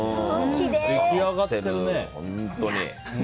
出来上がってるね、本当に。